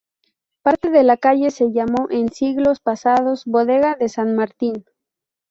Parte de la calle se llamó en siglos pasados Bodega de San Martín.